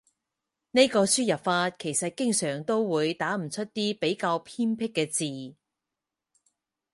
呢個輸入法其實經常都會打唔出啲比較偏僻嘅字